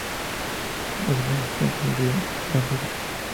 Es un afluente del río Danubio.